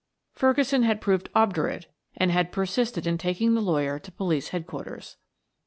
Ferguson had proved obdurate and had persisted in taking the lawyer to Police Headquarters.